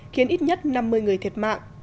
khiến ít nhất năm mươi người thiệt mạng